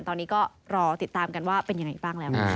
ตอนนี้ก็รอติดตามกันว่าเป็นยังไงบ้างแล้วนะคะ